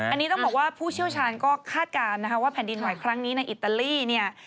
อันนี้ต้องบอกว่าผู้เชี่ยวชาญก็คาดการณ์นะคะว่าแผ่นดินไหวครั้งนี้ในอิตาลีเนี่ย